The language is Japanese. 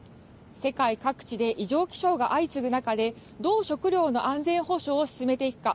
世界各地で異常気象が相次ぐ中で、どう食料の安全保障を進めていくか。